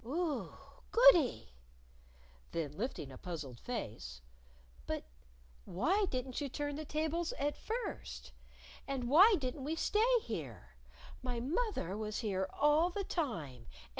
"Oo! Goody!" Then lifting a puzzled face. "But why didn't you turn the tables at first? And why didn't we stay here? My moth er was here all the time.